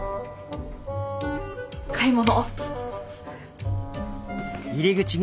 買い物。